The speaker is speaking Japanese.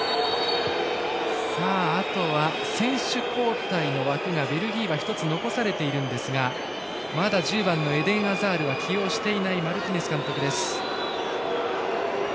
あとは、選手交代の枠がベルギーは１つ残されているんですがまだ１０番のエデン・アザールは起用していないマルティネス監督です。